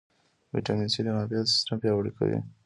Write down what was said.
ویټامین سي د معافیت سیستم پیاوړی کوي